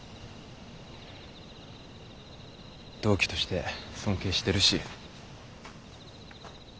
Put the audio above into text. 同期として尊敬してるし。